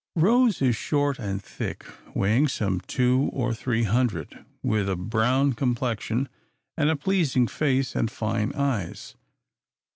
Rose is short and thick, weighing some two or three hundred, with a brown complexion, and a pleasing face and fine eyes.